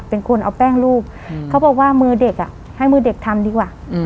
เป็นคนเอาแป้งรูปเขาบอกว่ามือเด็กอ่ะให้มือเด็กทำดีกว่า